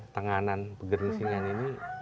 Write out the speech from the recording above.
tenganan pegering singan ini